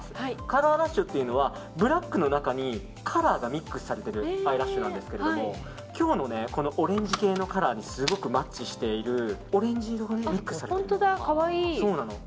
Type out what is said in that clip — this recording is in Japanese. カラーラッシュっていうのはブラックの中にカラーがミックスされてるアイラッシュなんですけども今日のオレンジ系のカラーにすごくマッチしているオレンジ色がミックスされてるの。